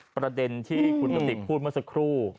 ประเด็นที่คุณกติกพูดเมื่อสักครู่